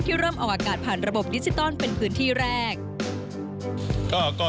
เริ่มออกอากาศผ่านระบบดิจิตอลเป็นพื้นที่แรก